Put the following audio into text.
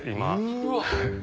うわっ！